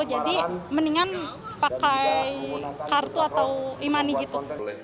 jadi mendingan pakai kartu atau e money gitu